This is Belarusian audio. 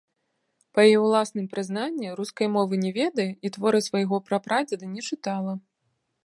Па яе ўласным прызнанні, рускай мовы не ведае і творы свайго прапрадзеда не чытала.